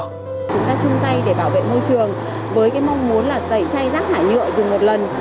chúng ta chung tay để bảo vệ môi trường với mong muốn là tẩy chay rác thải nhựa dùng một lần